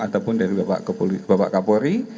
ataupun dari bapak kapolri